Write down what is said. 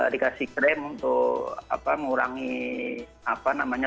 dikasih krim untuk mengurangi apa namanya